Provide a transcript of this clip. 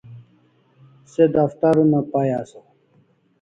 Se daftar una pay asaw